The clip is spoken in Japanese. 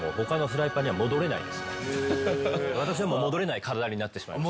私はもう戻れない体になってしまいました。